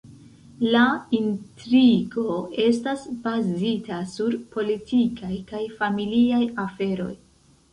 La intrigo estas bazita sur politikaj kaj familiaj aferoj.